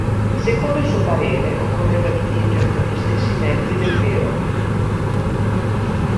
Secondo il suo parere occorreva dipingere con gli stessi mezzi del vero.